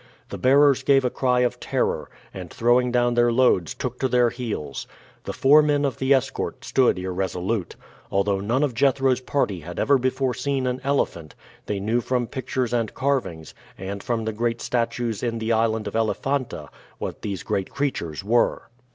The bearers gave a cry of terror, and throwing down their loads took to their heels. The four men of the escort stood irresolute. Although none of Jethro's party had ever before seen an elephant, they knew from pictures and carvings, and from the great statues in the Island of Elephanta, what these great creatures were.